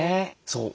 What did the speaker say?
そう。